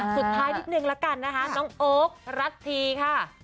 สุดท้ายนิดนึงละกันนะคะน้องโอ๊ครัฐทีค่ะ